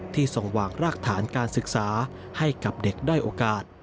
ส่งวางรากฐานการศึกษาให้กับเด็กด้อยโอกาส